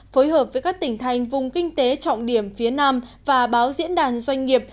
phối hợp với các tỉnh thành vùng kinh tế trọng điểm phía nam và báo diễn đàn doanh nghiệp